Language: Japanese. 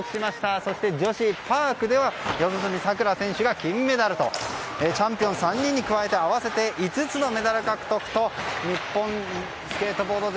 そして女子パークでは四十住さくら選手が金メダルとチャンピオン３人に加えて合わせて５つのメダル獲得と日本スケートボード勢